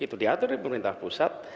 itu diatur di pemerintah pusat